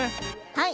はい。